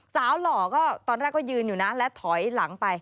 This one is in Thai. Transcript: หล่อก็ตอนแรกก็ยืนอยู่นะและถอยหลังไป